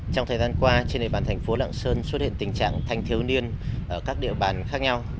trong thời gian qua trên địa bàn thành phố lạng sơn xuất hiện tình trạng thanh thiếu niên ở các địa bàn khác nhau